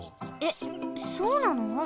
えっそうなの？